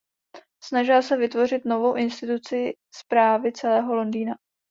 Snažila se vytvořit novou instituci správy celého Londýna.